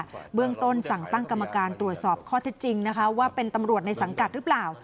เบื้องต้นสั่งตั้งกรรมการตรวจสอบข้อเท็จจริงนะคะว่าเป็นตำรวจในสังกัดหรือเปล่า